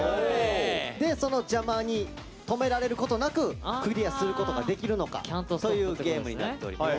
でその邪魔に止められることなくクリアすることができるのかというゲームになっております。